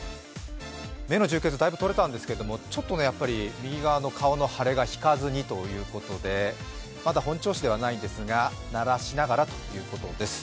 目の充血、だいぶ取れたんですけど、ちょっと右側の顔の腫れが引かずにということでまだ本調子ではないんですがならしながらということです。